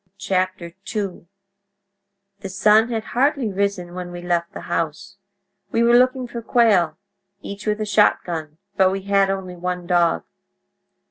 II "...The sun had hardly risen when we left the house. We were looking for quail, each with a shotgun, but we had only one dog.